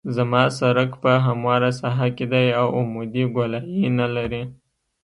زما سرک په همواره ساحه کې دی او عمودي ګولایي نلري